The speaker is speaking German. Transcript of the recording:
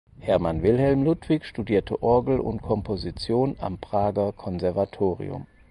Hermann Wilhelm Ludwig studierte Orgel und Komposition am Prager Konservatorium.